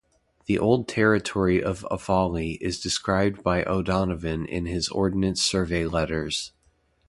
The old territory of Offaly is described by O'Donovan in his Ordnance Survey letters.